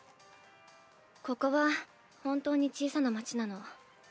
ここは本当に小さな町なの。